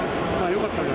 よかったね。